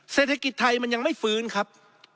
เศรษฐกิจไทยมันยังไม่ฟื้นครับ